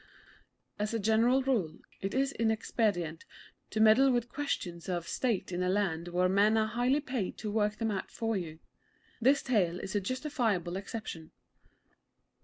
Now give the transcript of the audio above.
As a general rule, it is inexpedient to meddle with questions of State in a land where men are highly paid to work them out for you. This tale is a justifiable exception.